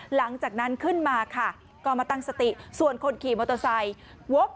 หลังจากนั้นขึ้นมาค่ะก็มาตั้งสติส่วนคนขี่มอเตอร์ไซค์วก